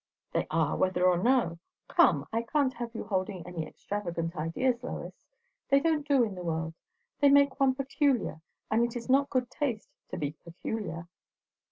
"They are whether or no. Come! I can't have you holding any extravagant ideas, Lois. They don't do in the world. They make one peculiar, and it is not good taste to be peculiar."